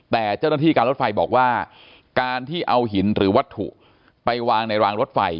แต่เจ้าหน้าที่การรถไฟบอกว่าการที่เอาหินหรือวัตถุไปวางในรางรถไฟ